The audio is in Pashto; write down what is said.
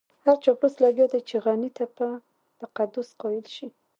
هر چاپلوس لګيا دی چې غني ته په تقدس قايل شي.